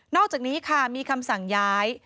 อกจากนี้ค่ะมีคำสั่งย้าย